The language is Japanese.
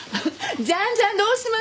じゃんじゃんどうします？